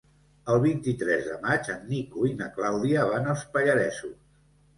El vint-i-tres de maig en Nico i na Clàudia van als Pallaresos.